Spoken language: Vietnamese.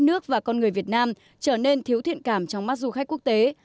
nước và con người việt nam trở nên thiếu thiện cảm trong mắt du khách quốc tế